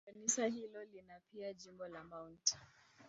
Kanisa hilo lina pia jimbo la Mt.